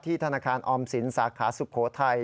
ที่ธนาคารออมศิลป์สาขาสุโขทัย